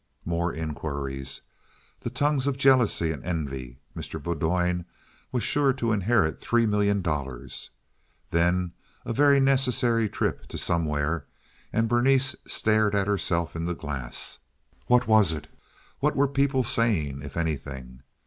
More inquiries. The tongues of jealousy and envy. Mr. Bowdoin was sure to inherit three million dollars. Then a very necessary trip to somewhere, and Berenice stared at herself in the glass. What was it? What were people saying, if anything?